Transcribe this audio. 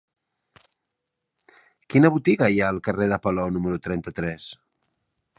Quina botiga hi ha al carrer de Palou número trenta-tres?